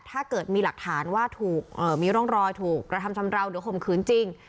ถ้าเกิดมีหลักฐานว่าถูกมีร่องรอยถูกกระทำชำราวหรือข่มขืนจริง